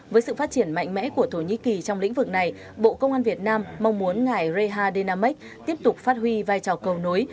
với sự phát triển mạnh mẽ của thổ nhĩ kỳ trong lĩnh vực này bộ công an việt nam mong muốn ngài reha dynamics tiếp tục phát huy vai trò cầu nối